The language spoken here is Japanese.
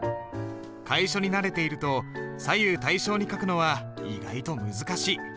楷書に慣れていると左右対称に書くのは意外と難しい。